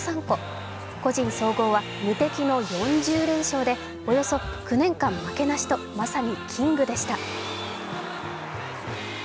個人総合は無敵の４０連勝でおよそ９年間負けなしとまさにキングでした。